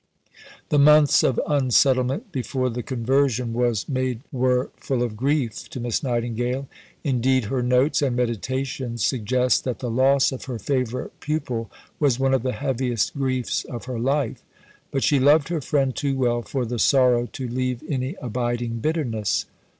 The months of unsettlement before the conversion was made were full of grief to Miss Nightingale. Indeed her notes and meditations suggest that the "loss" of her favourite pupil was one of the heaviest griefs of her life; but she loved her friend too well for the sorrow to leave any abiding bitterness.